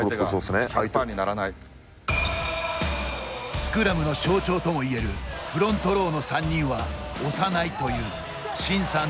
スクラムの象徴ともいえるフロントローの３人は押さないという慎さん